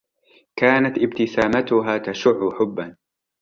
كانت ابتسامتها تشع حبا